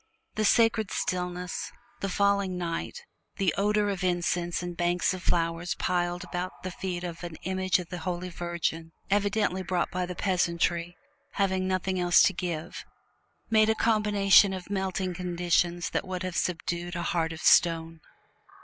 The sacred stillness, the falling night, the odor from incense and banks of flowers piled about the feet of an image of the Holy Virgin evidently brought by the peasantry, having nothing else to give made a combination of melting conditions that would have subdued a heart of stone.